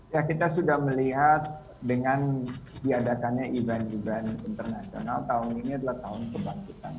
ya kita sudah melihat dengan diadakannya event event internasional tahun ini adalah tahun kebangkitan